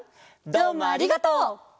どうもありがとう！